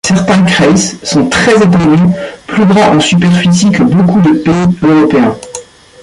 Certains kraïs sont très étendus, plus grands en superficie que beaucoup de pays européens.